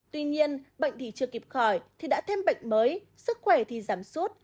tuy nhiên bệnh thì chưa kịp khỏi thì đã thêm bệnh mới sức khỏe thì giảm suốt